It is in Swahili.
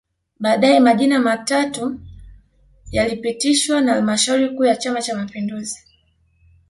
Baadae majina matatu yalipitishwa na halmashauri kuu ya Chama Cha Mapinduzi